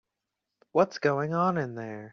What's going on in there?